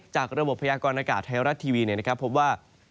จากระบบพยากรณ์อากาศไทยรัตน์ทีวีเนี่ยนะครับพบว่า